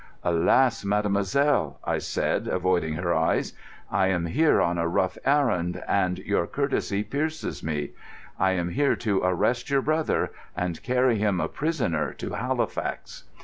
"Alas! mademoiselle," I said, avoiding her eyes, "I am here on a rough errand, and your courtesy pierces me. I am here to arrest your brother and carry him a prisoner to Halifax."